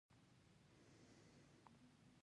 حسي اطلاعات د بدن له مختلفو برخو څخه تلاموس ته ټولېږي.